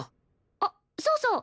あっそうそう！